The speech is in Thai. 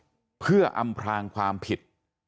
ก็จะอำพลางความผิด